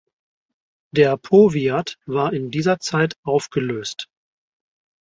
Der Powiat war in dieser Zeit aufgelöst.